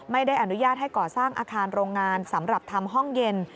ไม่ได้อนุญาตให้ก่อสร้างอาคารโรงงานสำหรับทำห้องเย็น